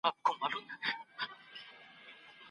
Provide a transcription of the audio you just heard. مرګ ته تسلیمېدل زما په خوښه نه دي.